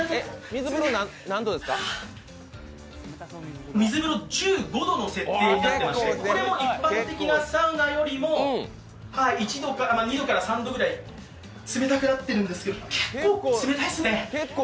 水風呂１５度の設定になっていまして、これも一般的なサウナよりも２度から３度くらい冷たくなっているんですけど結構冷たいですね。